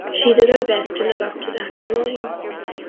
She did her best to live up to that calling.